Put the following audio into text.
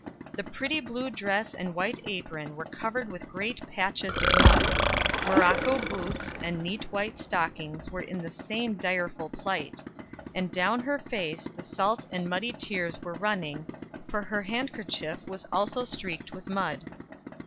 The pretty blue dress and white apron were covered with great patches of mud; morocco boots and neat white stockings were in the same direful plight; and down her face the salt and muddy tears were running, for her handkerchief was also streaked with mud.